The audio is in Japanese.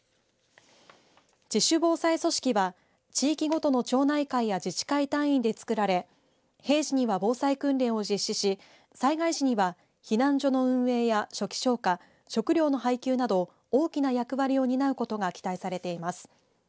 自主防災組織は、地域ごとの町内会や自治会単位で作られ平時には防災訓練を実施し災害時には避難所の運営や初期消火食糧の配給など大きな役割を担うことが期待されています。